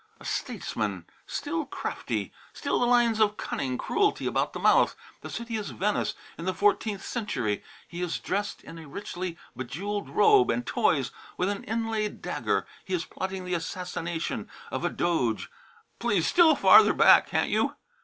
A statesman, still crafty, still the lines of cunning cruelty about the mouth. The city is Venice in the fourteenth century. He is dressed in a richly bejewelled robe and toys with an inlaid dagger. He is plotting the assassination of a Doge " "Please get still farther back, can't you?"